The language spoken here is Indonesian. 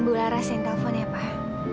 bu laras yang telpon ya pak